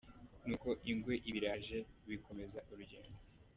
Nuko ingwe iba iraje, bikomeza urugendo.